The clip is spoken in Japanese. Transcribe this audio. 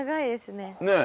ねえ。